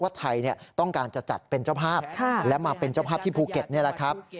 ไทยต้องการจะจัดเป็นเจ้าภาพและมาเป็นเจ้าภาพที่ภูเก็ตนี่แหละครับ